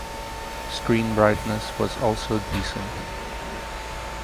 Screen brightness was also decent.